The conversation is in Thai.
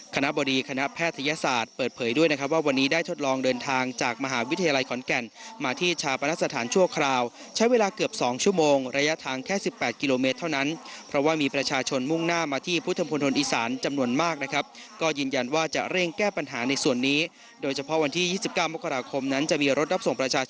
คณะบดีคณะแพทยศาสตร์เปิดเผยด้วยนะครับว่าวันนี้ได้ทดลองเดินทางจากมหาวิทยาลัยขอนแก่นมาที่ชาปนสถานชั่วคราวใช้เวลาเกือบ๒ชั่วโมงระยะทางแค่๑๘กิโลเมตรเท่านั้นเพราะว่ามีประชาชนมุ่งหน้ามาที่พุทธมพลตนอีสานจำนวนมากนะครับก็ยืนยันว่าจะเร่งแก้ปัญหาในส่วนนี้โดยเฉพาะวันที่๒๙มกราคมนั้นจะมีรถรับส่งประชา